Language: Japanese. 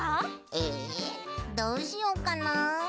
えどうしよっかな？